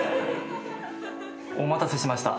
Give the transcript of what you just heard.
お待たせしました。